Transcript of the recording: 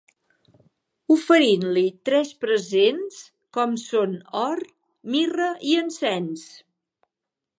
Oferint-li tres presents, com són or, mirra i encens.